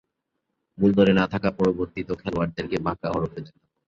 মূল দলে না থাকা পরিবর্তিত খেলোয়াড়দেরকে বাঁকা হরফে দেখানো হল।